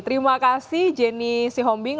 terima kasih jenny sihombing